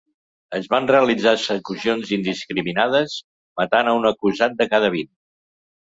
Es van realitzar execucions indiscriminades, matant a un acusat de cada vint.